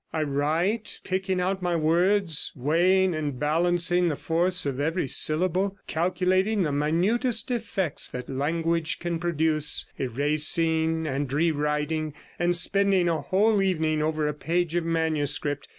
I write, picking out my words, weighing and balancing the force of every syllable, calculating the minutest effects that language can produce, erasing and rewriting and spending a whole evening over a page of manuscript.